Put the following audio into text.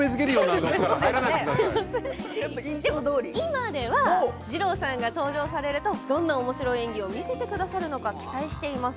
今では二朗さんが登場されるとどんなおもしろい演技を見せてくださるのか期待しています。